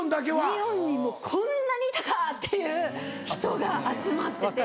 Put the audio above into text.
イオンにもうこんなにいたか！っていう人が集まってて。